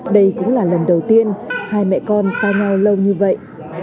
đây cũng là lần đầu tiên hai mẹ con xa nhau lâu như vậy